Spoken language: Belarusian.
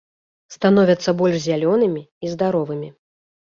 Становяцца больш зялёнымі і здаровымі.